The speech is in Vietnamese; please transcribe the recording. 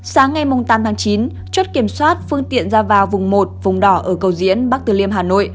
sáng ngày tám tháng chín chốt kiểm soát phương tiện ra vào vùng một vùng đỏ ở cầu diễn bắc từ liêm hà nội